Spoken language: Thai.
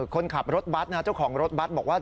คนขับรถบัสนะครับเจ้าของรถบัสบอกว่า